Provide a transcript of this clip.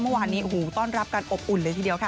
เมื่อวานนี้โอ้โหต้อนรับกันอบอุ่นเลยทีเดียวค่ะ